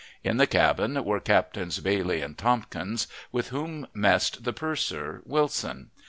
In the cabin were Captains Bailey and Tompkins, with whom messed the purser, Wilson.